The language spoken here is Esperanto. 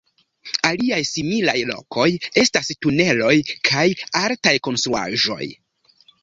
Aliaj similaj lokoj estas tuneloj kaj altaj konstruaĵoj.